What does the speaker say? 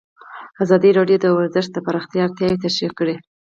ازادي راډیو د ورزش د پراختیا اړتیاوې تشریح کړي.